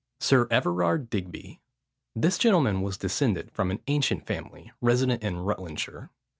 SIR EVERARD DIGBY. This gentleman was descended from an ancient family, resident in Rutlandshire.